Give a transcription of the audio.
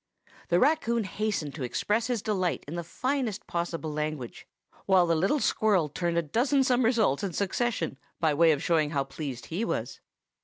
The raccoon hastened to express his delight in the finest possible language, while the little squirrel turned a dozen somersaults in succession, by way of showing how pleased he was.